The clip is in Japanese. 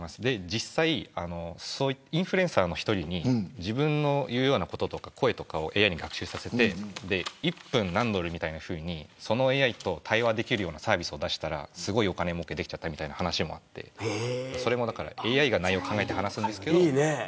実際、インフルエンサーの一人に自分の言うこととか声をＡＩに学習させて１分何ドルみたいにそのＡＩと対話できるサービスを出したらすごいお金もうけできたという話もあってＡＩが内容を考えて話すんですけど。